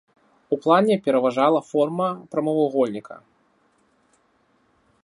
У плане пераважала форма прамавугольніка.